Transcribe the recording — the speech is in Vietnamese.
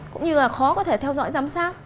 cũng như là khó có thể theo dõi giám sát